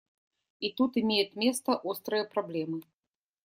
И тут имеют место острые проблемы.